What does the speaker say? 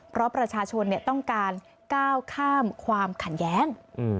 เพราะประชาชนต้องการก้าวข้ามความขัดแย้ง